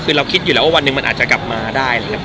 คือเราคิดอยู่แล้วว่าวันหนึ่งมันอาจจะกลับมาได้เลยครับ